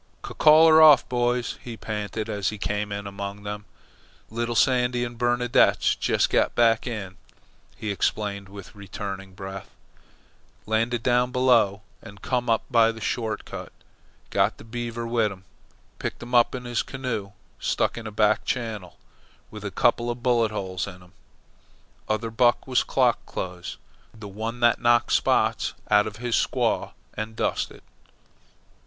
"C call 'er off, boys," he panted, as he came in among them. "Little Sandy and Bernadotte's jes' got in," he explained with returning breath. "Landed down below an' come up by the short cut. Got the Beaver with 'm. Picked 'm up in his canoe, stuck in a back channel, with a couple of bullet holes in 'm. Other buck was Klok Kutz, the one that knocked spots out of his squaw and dusted."